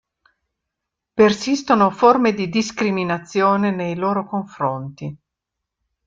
Persistono forme di discriminazione nei loro confronti.